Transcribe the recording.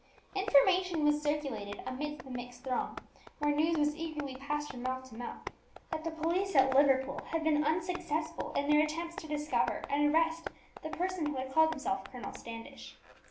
Information was circulated amidst the mixed throng, where news was eagerly passed from mouth to mouth, that the police at Liverpool had been unsuccessful in their attempts to discover and arrest the person who had called himself Colonel Standish.